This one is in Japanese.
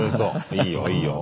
いいよいいよ。